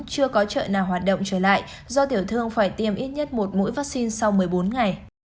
chưa có chợ nào hoạt động trở lại do tiểu thương phải tiêm ít nhất một mũi vaccine sau một mươi bốn ngày